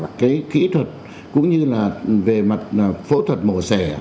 cái kỹ thuật cũng như là về mặt phẫu thuật mổ sẻ